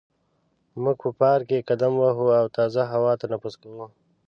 موږ په پارک کې قدم وهو او تازه هوا تنفس کوو.